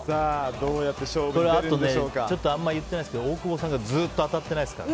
あとあんまり言ってないですけど大久保さんがずっと当たってないですから。